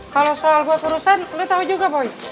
kalau soal buat urusan lo tau juga boy